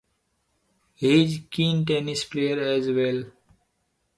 He is a keen tennis player as well.